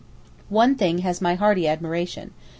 One thing has my hearty admiration.